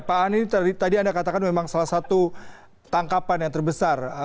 pak ani tadi anda katakan memang salah satu tangkapan yang terbesar